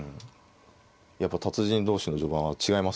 やっぱ達人同士の序盤は違いますね。